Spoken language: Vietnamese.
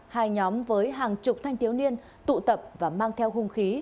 hai nhóm với hàng chục thanh thiếu niên tụ tập và mang theo hung khí